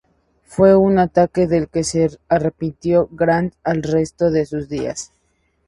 Fue un ataque del que se arrepintió Grant el resto de sus días.